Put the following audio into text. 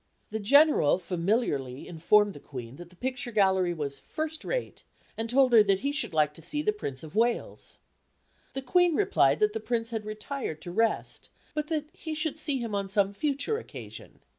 The General familiarly informed the Queen that her picture gallery was "first rate," and told her he should like to see the Prince of Wales. The Queen replied that the Prince had retired to rest, but that he should see him on some future occasion.